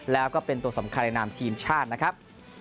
แล้วก็เป็นตัวสำคัญในนามทีมชาตินะครับ